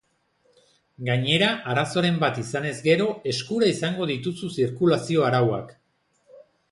Gainera, arazoren bat izanez gero, eskura izango dituzu zirkulazio arauak.